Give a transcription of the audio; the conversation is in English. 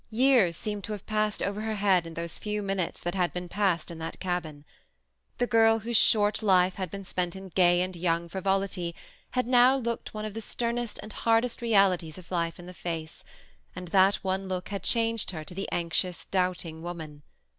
Years seemed to have passed over her head in those few minutes that had been passed in that cabin. The girl whose short life had been spent in gay and young frivolity, had now looked one of the sternest and hardest realities of life in the face ; and that one look had changed her to the anxious, doubting woman.